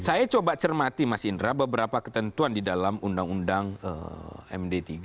saya coba cermati mas indra beberapa ketentuan di dalam undang undang md tiga